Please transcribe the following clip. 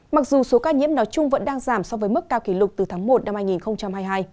mặc dù số ca nhiễm nói chung vẫn đang giảm so với mức cao kỷ lục từ tháng một năm hai nghìn hai mươi hai